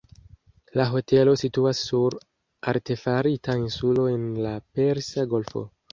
La hotelo situas sur artefarita insulo en la Persa Golfo.